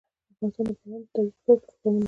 افغانستان د باران د ترویج لپاره پروګرامونه لري.